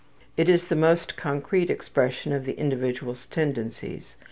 It is the most concrete expression of the individual's tendencies.